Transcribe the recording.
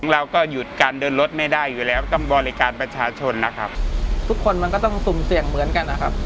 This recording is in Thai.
เราก็หยุดการเดินรถไม่ได้อยู่แล้วต้องบริการประชาชนนะครับทุกคนมันก็ต้องสุ่มเสี่ยงเหมือนกันนะครับ